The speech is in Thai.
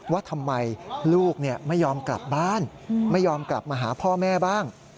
ว่าทำไมลูกไม่ยอมกลับบ้านไม่ยอมกลับมาหาพ่อแม่บ้าง